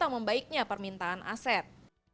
membaiknya permintaan aset